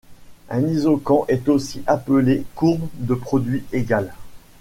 Un isoquant est aussi appelée courbe de produit égale.